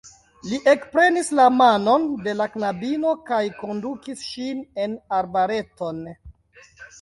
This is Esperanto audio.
Li ekprenis la manon de la knabino kaj kondukis ŝin en arbareton.